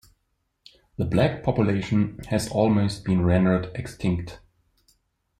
The black population has almost been rendered extinct.